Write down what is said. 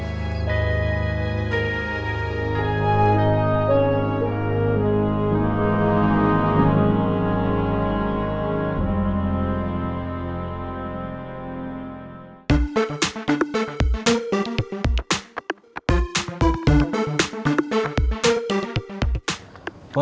tante petik ya poner penik